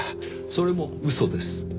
それも嘘です。